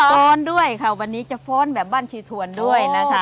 ฟ้อนด้วยค่ะวันนี้จะฟ้อนแบบบ้านชีทวนด้วยนะคะ